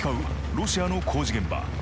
ロシアの工事現場